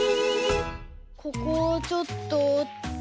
ここをちょっとおって。